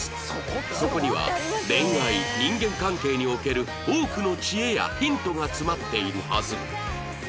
そこには恋愛人間関係における多くの知恵やヒントが詰まっているはず